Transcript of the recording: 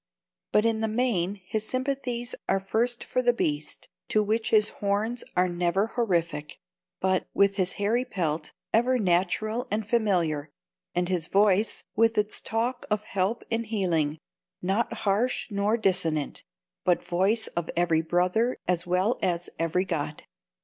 But in the main his sympathies are first for the beast: to which his horns are never horrific, but, with his hairy pelt, ever natural and familiar, and his voice (with its talk of help and healing) not harsh nor dissonant, but voice of very brother as well as very god.